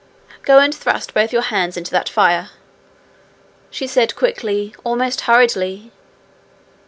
'Go and thrust both your hands into that fire,' she said quickly, almost hurriedly.